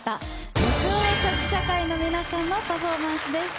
緑黄色社会の皆さんのパフォーマンスです。